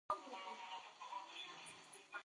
اداري مقررات د خدمت د منظمولو لپاره دي.